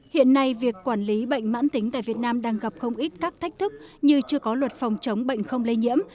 hiện nay việc quản lý bệnh mãn tính tại việt nam đang gặp không ít các thách thức như chưa có luật phòng chống bệnh không lây nhiễm